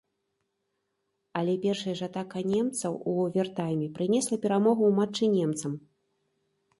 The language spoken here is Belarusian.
Але першая ж атака немцаў у овертайме прынесла перамогу ў матчы немцам.